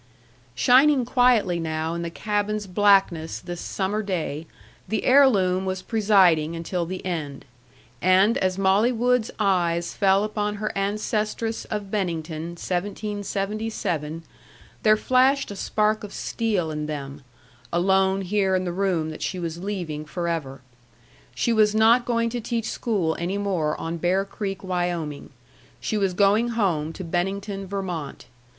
Shining quietly now in the cabin's blackness this summer day, the heirloom was presiding until the end. And as Molly Wood's eyes fell upon her ancestress of Bennington, 1777, there flashed a spark of steel in them, alone here in the room that she was leaving forever. She was not going to teach school any more on Bear Creek, Wyoming; she was going home to Bennington, Vermont.